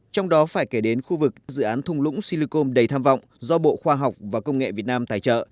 trong đó phải kể đến khu vực dự án thung lũng silicom đầy tham vọng do bộ khoa học và công nghệ việt nam tài trợ